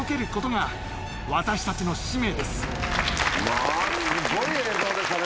まぁすごい映像でしたね